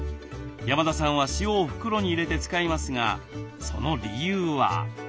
山田さんは塩を袋に入れて使いますがその理由は。